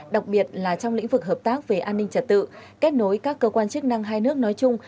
đặc biệt là trong lĩnh vực hợp tác về an ninh trật tự kết nối các cơ quan chức năng hai nước nói chung